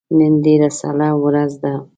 نن ډیره سړه ورځ ده